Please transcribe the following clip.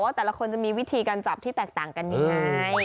ว่าแต่ละคนจะมีวิธีการจอบที่ต่างกันอย่างไร